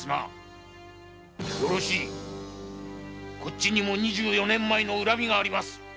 よろしいこっちにも二十四年前の恨みがある。